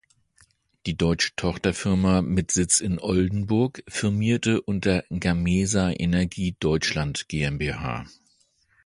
Die deutsche Tochterfirma mit Sitz in Oldenburg firmierte unter Gamesa Energie Deutschland GmbH.